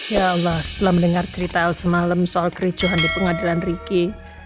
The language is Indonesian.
ya allah setelah mendengar cerita semalam soal kericuhan di pengadilan riki